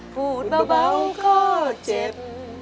พูดเบาก็เจ็บ